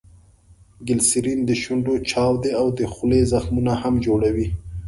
ګلیسرین دشونډو چاودي او دخولې زخمونه هم جوړوي.